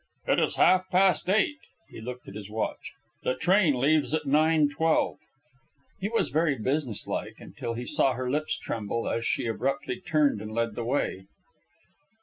"It is half past eight." He looked at his watch. "The train leaves at 9.12." He was very businesslike, until he saw her lips tremble as she abruptly turned and led the way.